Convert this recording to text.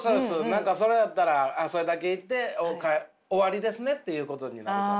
何かそれやったらそれだけ言って終わりですねっていうことになるので。